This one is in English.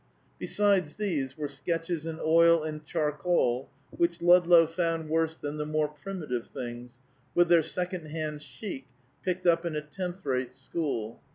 Besides these were sketches in oil and charcoal, which Ludlow found worse than the more primitive things, with their second hand chic picked up in a tenth rate school.